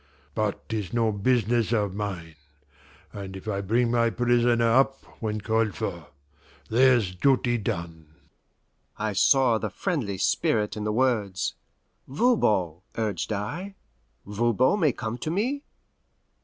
But 'tis no business o' mine; and if I bring my prisoner up when called for, there's duty done!" I saw the friendly spirit in the words. "Voban," urged I, "Voban may come to me?"